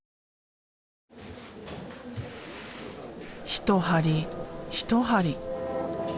一針一針。